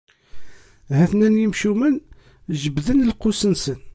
Ha-ten-an yimcumen jebden lqus-nsen.